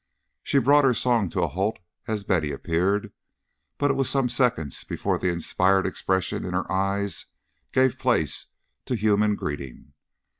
She brought her song to a halt as Betty appeared, but it was some seconds before the inspired expression in her eyes gave place to human greeting.